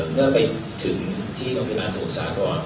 เมื่อไปถึงที่กรณีปลอดสัมภาษาก่อน